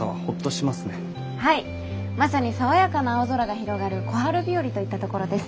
はいまさに爽やかな青空が広がる小春日和といったところです。